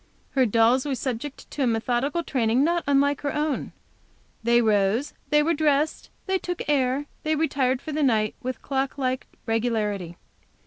Her dolls were subject to a methodical training, not unlike her own. They rose, they were dressed, they took the air, they retired for the night, with clock like regularity.